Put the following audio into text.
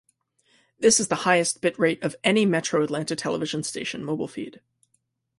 This is the highest bitrate of any Metro Atlanta television station mobile feed.